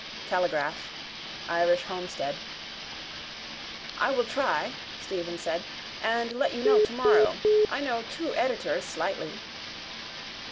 _ Telegraph. Irish Homestead._ —I will try, Stephen said, and let you know tomorrow. I know two editors slightly.